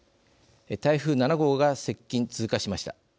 台風７号が接近、通過しました。